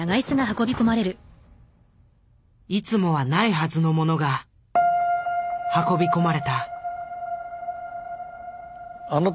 いつもはないはずのものが運び込まれた。